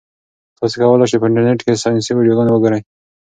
تاسي کولای شئ په انټرنيټ کې ساینسي ویډیوګانې وګورئ.